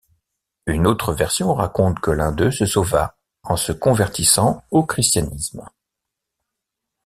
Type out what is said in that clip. Une autre version raconte que l'un d'eux se sauva en se convertissant au christianisme.